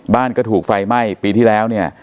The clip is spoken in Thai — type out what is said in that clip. บ้านก็ถูกไฟไหม้ปีที่แล้วเนี่ย